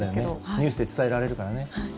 ニュースで伝えられるからね。